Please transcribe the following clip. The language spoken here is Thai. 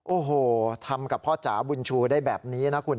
โอ้โหทำกับพ่อจ๋าบุญชูได้แบบนี้นะคุณ